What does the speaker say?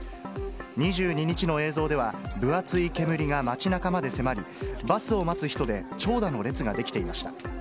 ２２日の映像では、分厚い煙が町なかまで迫り、バスを待つ人で長蛇の列が出来ていました。